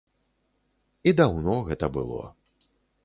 І даўно гэта было.